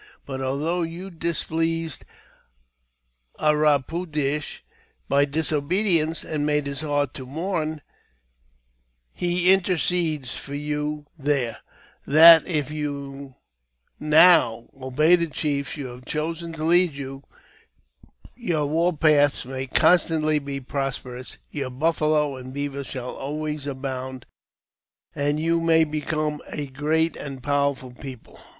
But, although you displeased A ra poo ash by dis obedience, and made his heart to mourn, he intercedes for youl there, that, if you now obey the chiefs you have chosen to lead' you, your war paths may constantly be prosperous ; your buffalo and beaver shall always abound, and you may becom a great and powerful people.